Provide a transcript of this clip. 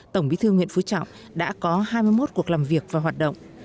tổng bí thư nguyễn phú trọng đã có hai mươi một cuộc làm việc và hoạt động